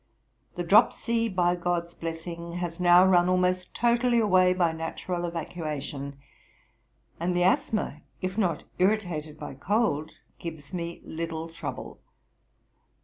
The dropsy, by GOD'S blessing, has now run almost totally away by natural evacuation; and the asthma, if not irritated by cold, gives me little trouble.